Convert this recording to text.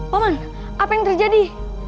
paman apa yang terjadi